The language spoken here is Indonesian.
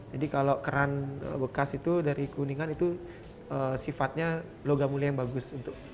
jadi kalau keran bekas itu dari kuningan itu sifatnya logam mulia yang bagus